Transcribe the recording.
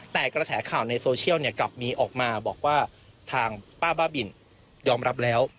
แต่กระแสข่าวในโซเชียลกลับมีออกมาบอกว่าทางป้าบ้าบินยอมรับแล้ว